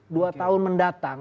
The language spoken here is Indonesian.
dua tahun mendatang